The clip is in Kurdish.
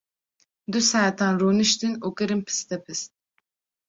Du saetan rûniştin û kirin pistepit.